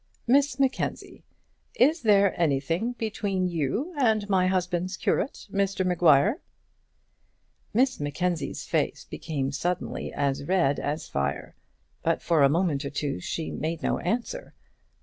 Miss Mackenzie, is there anything between you and my husband's curate, Mr Maguire?" Miss Mackenzie's face became suddenly as red as fire, but for a moment or two she made no answer.